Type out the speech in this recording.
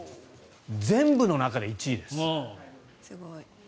全部の中で１位です。